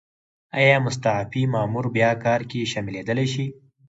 ایا مستعفي مامور بیا کار کې شاملیدای شي؟